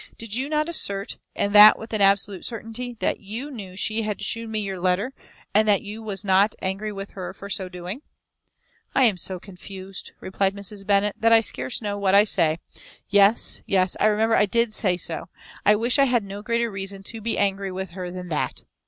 Did you not assert, and that with an absolute certainty, that you knew she had shewn me your letter, and that you was not angry with her for so doing?" "I am so confused," replied Mrs. Bennet, "that I scarce know what I say; yes, yes, I remember I did say so I wish I had no greater reason to be angry with her than that."